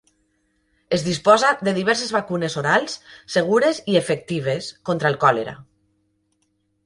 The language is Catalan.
Es disposa de diverses vacunes orals, segures i efectives, contra el còlera.